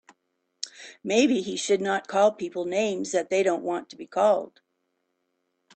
Maybe he should not call people names that they don't want to be called.